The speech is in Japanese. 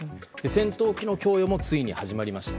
戦闘機の供与もついに始まりました。